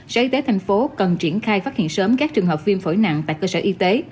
sở y tế thành phố cần triển khai phát hiện sớm các trường hợp viêm phổi nặng tại cơ sở y tế